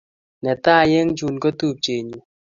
Ne tai eng' chun ko tupchenyun.